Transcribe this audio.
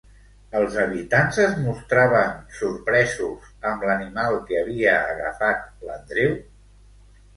Els habitants es mostraven sorpresos amb l'animal que havia agafat l'Andreu?